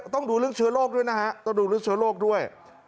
ต้องดูฤทธิ์เชื้อโรคด้วยนะฮะต้องดูฤทธิ์เชื้อโรคด้วย